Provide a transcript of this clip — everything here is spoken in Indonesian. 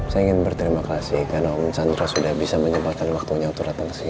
saya ingin berterima kasih karena om chandra sudah bisa menyempatkan waktunya untuk datang ke sini